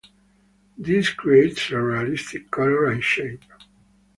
This creates a realistic color and shape.